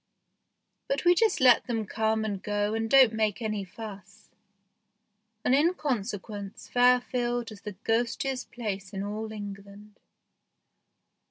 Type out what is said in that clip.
But we just let them come and go and don't make any fuss, and in consequence Fairfield is the ghostiest place in all England.